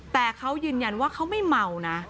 แต่เขายืนยันว่าเขาไม่เมานะ